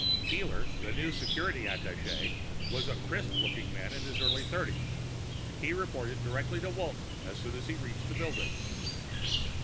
Keeler, the new security attaché, was a crisp looking man in his early thirties. He reported directly to Walton as soon as he reached the building.